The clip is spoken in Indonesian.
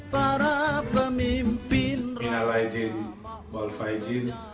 para pemimpin rinalaidin walfaizin